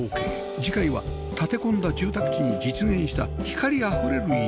次回は立て込んだ住宅地に実現した光あふれる家